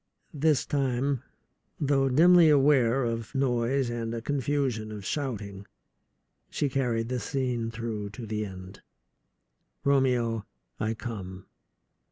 This time, though dimly aware of noise and a confusion of shouting, she carried the scene through to the end. "Romeo, I come!